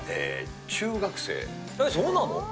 そうなの？